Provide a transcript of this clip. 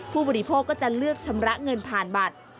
ผู้บริโภคก็จะเลือกชำระเงินผ่านบัตร